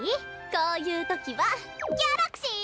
こういう時はギャラクシー！